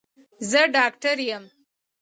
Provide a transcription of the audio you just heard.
زه ډاکټر یم